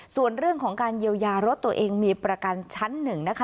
ส่วนเรื่องของการเยียวยารถตัวเองมีประกันชั้นหนึ่งนะคะ